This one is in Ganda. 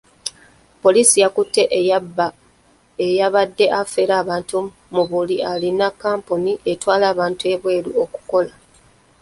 Poliisi yakutte eyabadde affera abantu mbu alina kampuni etwala abantu ebweru okukola.